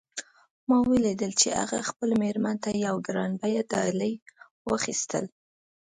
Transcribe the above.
ما ولیدل چې هغه خپلې میرمن ته یوه ګران بیه ډالۍ اخیستې